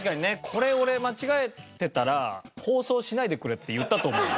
これ俺間違えてたら「放送しないでくれ」って言ったと思う。